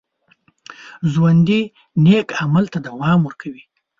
ژوندي نیک عمل ته دوام ورکوي